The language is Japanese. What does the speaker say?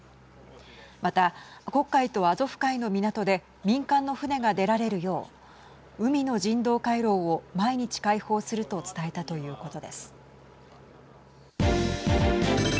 また、黒海とアゾフ海の港で民間の船が出られるよう海の人道回廊を毎日、開放すると伝えたということです。